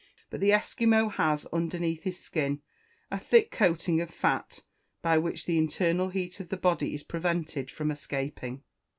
But the Esquimaux has, underneath his skin, a thick coating of fat, by which the internal heat of the body is prevented from escaping.